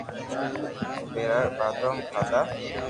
او ڀآرا بادوم کادا